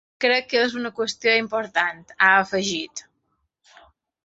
Crec que és una qüestió important, ha afegit.